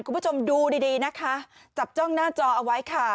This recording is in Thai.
คุณผู้ชมดูดีดีนะคะจับจ้องหน้าจอเอาไว้ค่ะ